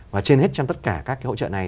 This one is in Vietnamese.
và trên hết trong tất cả các hỗ trợ này